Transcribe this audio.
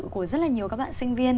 của rất là nhiều các bạn sinh viên